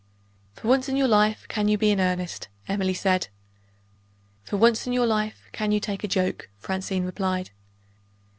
"For once in your life, can you be in earnest?" Emily said. "For once in your life, can you take a joke?" Francine replied.